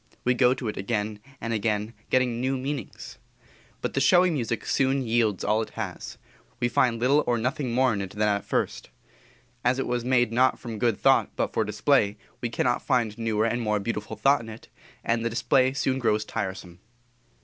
We go to it again and again, getting new meanings. But the showy music soon yields all it has; we find little or nothing more in it than at first. As it was made not from good thought but for display, we cannot find newer and more beautiful thought in it, and the display soon grows tiresome.